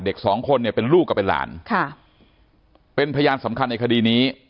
เด็กสองคนเป็นลูกกับเป็นหลานเป็นพยานสำคัญในคดีนี้